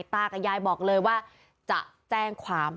ตากับยายบอกเลยว่าจะแจ้งความ